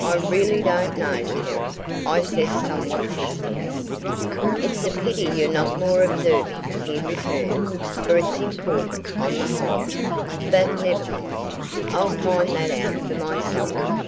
"I really don't know, Terry," I said somewhat testily. "It's a pity you're not more observing," he returned, "for it's important, on the whole. But never mind. I'll find that out for myself.